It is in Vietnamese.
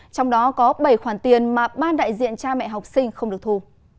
trong đó có bảy khoản tiền mà ban đại diện cha mẹ học sinh không được thu